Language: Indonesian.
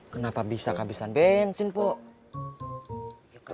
kenapa bisa kehabisan bensin buk